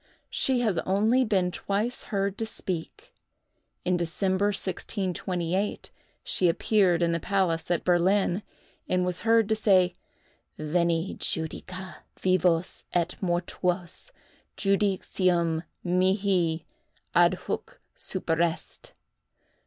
She has only been twice heard to speak. In December, 1628, she appeared in the palace at Berlin, and was heard to say, "_Veni, judica vivos et mortuos! Judicium mihi adhuc superest.